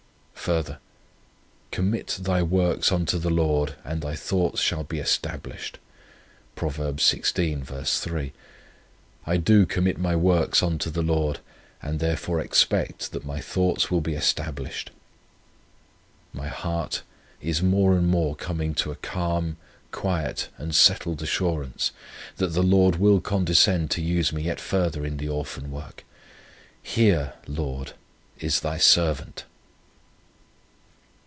Further: 'Commit thy works unto the Lord and thy thoughts shall be established.' Prov. xvi. 3. I do commit my works unto the Lord, and therefore expect that my thoughts will be established. My heart is more and more coming to a calm, quiet, and settled assurance, that the Lord will condescend to use me yet further in the Orphan Work. Here, Lord, is Thy servant!"